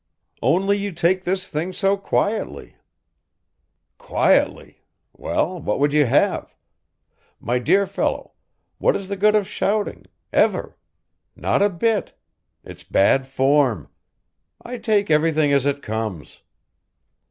"Only you take this thing so quietly." "Quietly well, what would you have? My dear fellow, what is the good of shouting ever? Not a bit. It's bad form. I take everything as it comes."